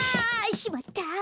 しまった。